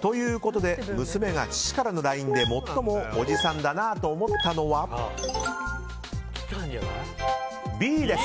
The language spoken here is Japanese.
ということで娘が父からのＬＩＮＥで最もおじさんだなと思ったのはＢです。